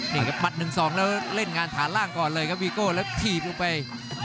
นี่ครับมัด๑๒แล้วเล่นงานฐานล่างก่อนเลยครับวีโก้แล้วถีบลงไป